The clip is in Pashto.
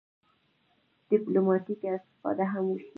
ډیپلوماټیکه استفاده هم وشي.